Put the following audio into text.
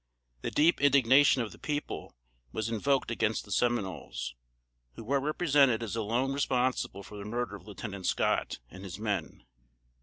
The deep indignation of the people was invoked against the Seminoles, who were represented as alone responsible for the murder of Lieutenant Scott, and his men.